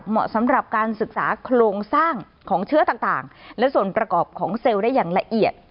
เหมาะสำหรับการศึกษาโครงสร้างของเชื้อต่างและส่วนประกอบของเซลล์ได้อย่างละเอียด